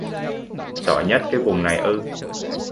Giỏi nhất cái vùng này ư